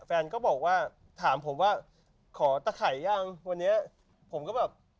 แฟนก็บอกว่าถามผมว่าขอตะไข่ยังวันนี้ผมก็แบบ